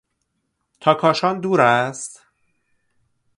تا کاشان دور است؟